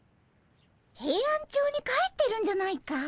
ヘイアンチョウに帰ってるんじゃないかい？